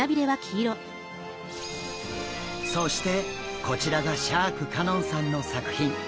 そしてこちらがシャーク香音さんの作品。